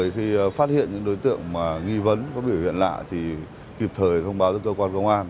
kịp thời thông báo cho cơ quan công an